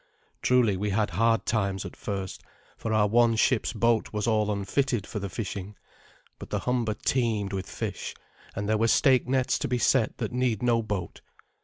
Truly we had hard times at first, for our one ship's boat was all unfitted for the fishing; but the Humber teemed with fish, and there were stake nets to be set that need no boat.